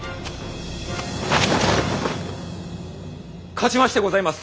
勝ちましてございます！